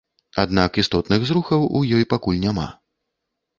Аднак істотных зрухаў у ёй пакуль няма.